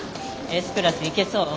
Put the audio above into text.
Ｓクラスいけそう？